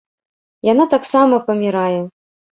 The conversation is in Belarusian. Яна таксама памiрае...